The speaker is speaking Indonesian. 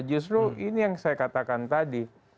justru ini yang saya katakan tadi